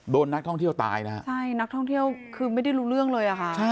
โดนนักท่องเที่ยวตายนะฮะใช่นักท่องเที่ยวคือไม่ได้รู้เรื่องเลยอะค่ะ